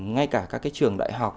ngay cả các trường đại học